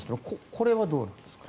これはどうなんですか？